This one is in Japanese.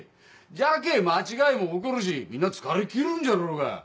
じゃけぇ間違いも起こるしみんな疲れ切るんじゃろうが！